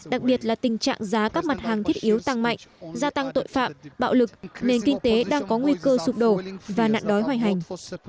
đặc biệt là tình trạng giá các mặt hàng thiết yếu tăng mạnh gia tăng tội phạm bạo lực nền kinh tế đang có nguy cơ sụp đổ và nạn đói hành